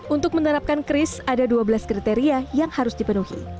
untuk menerapkan kris ada dua belas kriteria yang harus dipenuhi